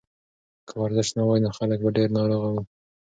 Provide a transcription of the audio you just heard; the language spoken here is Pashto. که ورزش نه وای نو خلک به ډېر ناروغه وو.